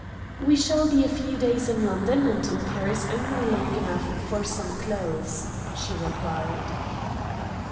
"We shall be a few days in London, and in Paris only long enough for some clothes," she replied.